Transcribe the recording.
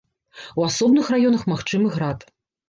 У асобных раёнах магчымы град.